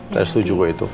saya setuju gue itu